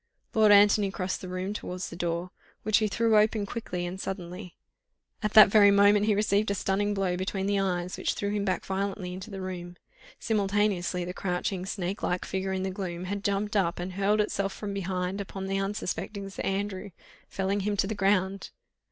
Lord Antony crossed the room towards the door, which he threw open quickly and suddenly; at that very moment he received a stunning blow between the eyes, which threw him back violently into the room. Simultaneously the crouching, snake like figure in the gloom had jumped up and hurled itself from behind upon the unsuspecting Sir Andrew, felling him to the ground.